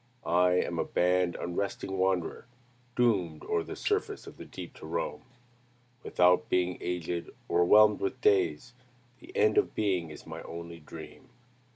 I am a banned, unresting wanderer, Doomed o'er the surface of the deep to roam. Without being aged, o'erwhelmed with days, The end of being is my only dream.